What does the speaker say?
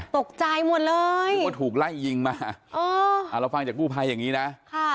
ตกใจหมดเลยนึกว่าถูกไล่ยิงมาอ๋ออ่าเราฟังจากกู้ภัยอย่างนี้นะค่ะ